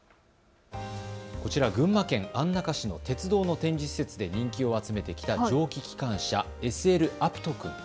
こちら群馬県安中市の鉄道の展示施設で人気を集めてきた蒸気機関車、ＳＬあぷとくん。